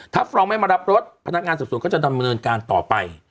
ถ้าฟ้องไม่มารับรถพนักงานสืบสวนก็จะดำเนินการต่อไป